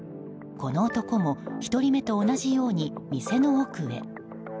この男も１人目と同じように店の奥へ。